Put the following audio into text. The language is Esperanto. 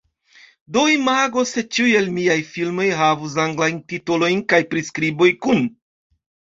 Do imagu se ĉiuj el miaj filmoj havus anglajn titolojn kaj priskriboj kun